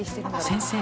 先生